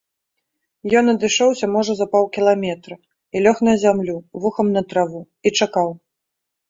Ён адышоўся можа за паўкіламетра, і лёг на зямлю, вухам на траву, і чакаў.